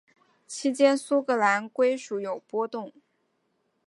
期间苏格兰归属有波动。